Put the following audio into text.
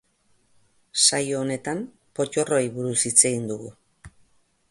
Saio honetan, pottorroei buruz hitz egin dugu.